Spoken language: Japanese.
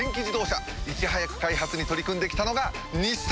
いち早く開発に取り組んで来たのが日産！